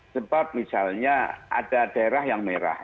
sebab misalnya ada daerah yang merah